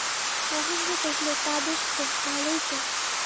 মহেন্দ্র কহিল, তা বেশ তো, ভালোই তো।